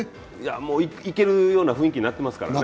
もういけるような雰囲気になってますからね。